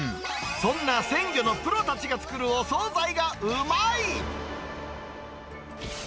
そんな鮮魚のプロたちが作るお総菜がうまい。